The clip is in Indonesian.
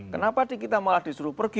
kenapa kita malah disuruh pergi